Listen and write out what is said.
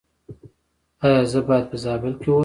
ایا زه باید په زابل کې اوسم؟